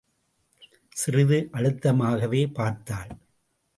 சிறிது அழுத்தமாகவே பார்த்தாள்.